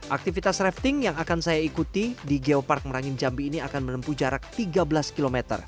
aktivitas rafting yang akan saya ikuti di geopark merangin jambi ini akan menempuh jarak tiga belas km